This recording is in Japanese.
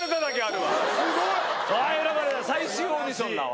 すごい！最終オーディションだわ。